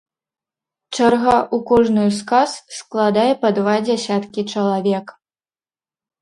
Чарга ў кожную з кас складае па два дзясяткі чалавек.